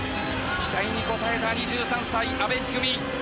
期待に応えた２３歳、阿部一二三。